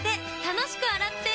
楽しく洗っ手！